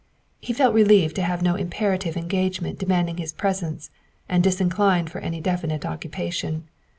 He felt relieved to have no imperative engagement demanding his presence and disinclined for any definite occupation.